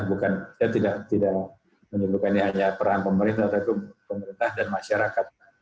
bukan saya tidak menyebutkan ini hanya peran pemerintah tapi pemerintah dan masyarakat